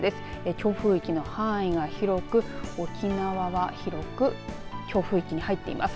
強風域の範囲が広く沖縄は広く強風域に入っています。